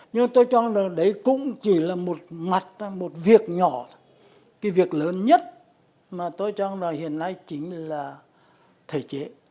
nhưng tôi cho rằng đấy cũng chỉ là một mặt một việc nhỏ thôi cái việc lớn nhất mà tôi cho rằng là hiện nay chính là thể chế